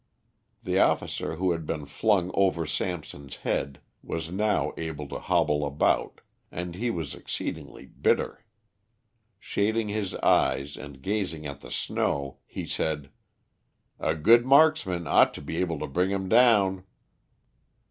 The officer who had been flung over Samson's head was now able to hobble about, and he was exceedingly bitter. Shading his eyes and gazing at the snow, he said "A good marksman ought to be able to bring him down."